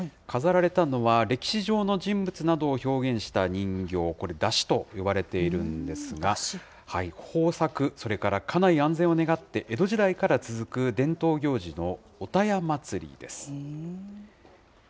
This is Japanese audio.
飾られたのは、歴史上の人物などを表現した人形、これ、山車と呼ばれているんですが、豊作、それから家内安全を願って、江戸時代から続く伝統行事のおたや祭りです。